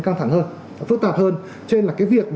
căng thẳng hơn phức tạp hơn cho nên là cái việc